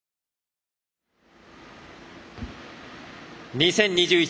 ２０２１